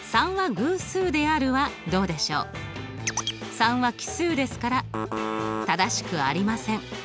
３は奇数ですから正しくありません。